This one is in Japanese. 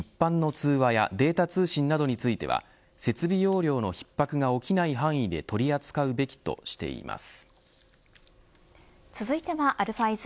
一方、一般の通話やデータ通信などについては設備容量のひっ迫が起きない範囲で取り扱うべきとしています。